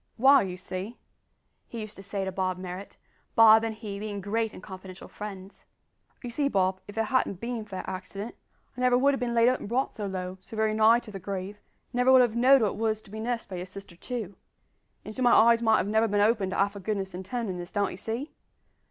"W'y, you see," he used to say to Bob Marrot Bob and he being great and confidential friends "you see, Bob, if it hadn't bin for that accident, I never would have bin laid up and brought so low so very nigh to the grave and I would never have know'd what it was to be nursed by your sister too; and so my eyes might have never bin opened to half her goodness an' tenderness, d'ye see?